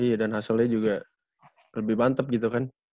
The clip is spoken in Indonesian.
iya dan hustlenya juga lebih mantep gitu kan